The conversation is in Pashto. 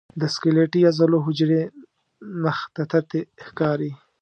د سکلیټي عضلو حجرې مخططې ښکاري.